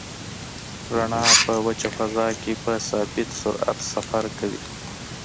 رڼا په وچه فضا کې په ثابت سرعت سفر کوي.